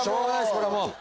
これはもう。